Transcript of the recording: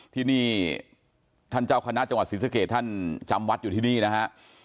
ที่นี่ท่านเจ้าคณะจังหวัดศรีสเกตท่านจำวัดอยู่ที่นี่นะฮะ